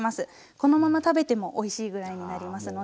このまま食べてもおいしいぐらいになりますので。